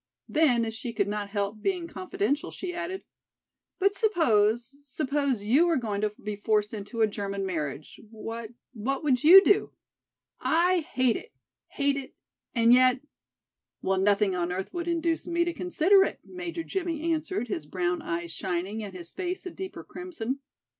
Then as she could not help being confidential she added: "But suppose, suppose you were going to be forced into a German marriage, what, what would you do? I hate it, hate it, and yet—" "Well, nothing on earth would induce me to consider it," Major Jimmie answered, his brown eyes shining and his face a deeper crimson.